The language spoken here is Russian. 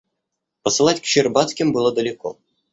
Посылать к Щербацким было далеко.